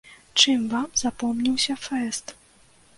Чым вам запомніўся фэст?